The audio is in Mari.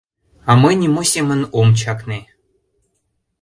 а мый нимо семын ом чакне.